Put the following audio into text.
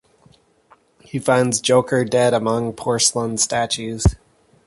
He finds Joker dead among porcelain statues.